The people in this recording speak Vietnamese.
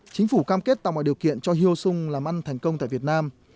chính phủ cam kết tạo mọi điều kiện cho hyu sung làm ăn thành công tại việt nam